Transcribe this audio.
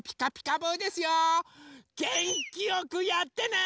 げんきよくやってね！